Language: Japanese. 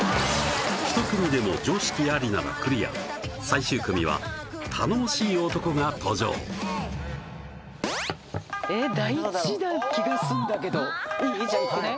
１組でも常識ありならクリア最終組は頼もしい男が登場えっ大事な気がすんだけどいい？